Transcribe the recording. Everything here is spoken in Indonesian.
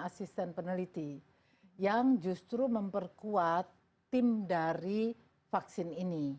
asisten peneliti yang justru memperkuat tim dari vaksin ini